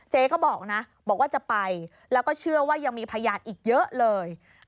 เจ๊ก็บอกนะบอกว่าจะไปแล้วก็เชื่อว่ายังมีพยานอีกเยอะเลย